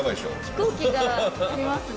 飛行機がありますね。